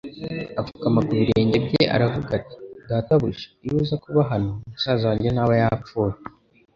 apfukama ku birenge bye aravuga ati: "Databuja iyo uza kuba hano musaza wanjye ntaba yapfuye."